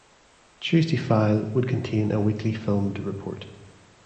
"Tuesday File" would contain a weekly filmed report.